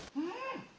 うん？